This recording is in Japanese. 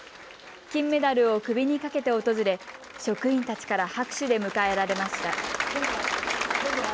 金メダルを首にかけて訪れ職員たちから拍手で迎えられました。